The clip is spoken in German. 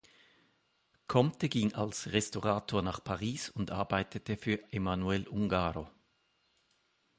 Comte ging als Restaurator nach Paris und arbeitete für Emanuel Ungaro.